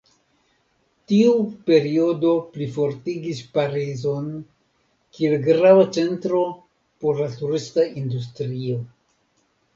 Tiu periodo plifortigis Parizon kiel grava centro por la turista industrio.